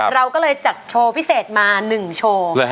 เราก็เลยจัดโชว์พิเศษมา๑โชว์